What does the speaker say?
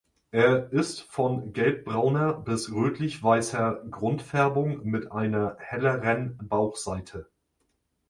Er ist von gelb-brauner bis rötlich-weißer Grundfärbung mit einer helleren Bauchseite.